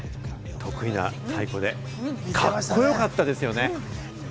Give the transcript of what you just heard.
得意な太鼓でカッコよかったですよね。